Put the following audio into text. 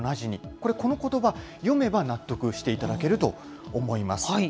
これ、このことば、読めば納得していただけると思います。